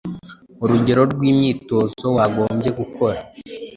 urugero rw’imyitozo wagombye gukora,